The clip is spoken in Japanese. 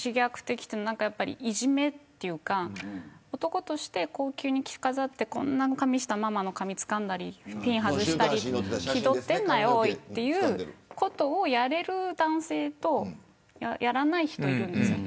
いじめというか男として高級に着飾ったママの髪をつかんだりピン外したり気取ってんなよ、おいっていうことをやれる男性とやらない人いるんです。